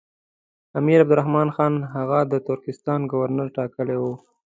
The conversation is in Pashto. امیر عبدالرحمن خان هغه د ترکستان ګورنر ټاکلی وو.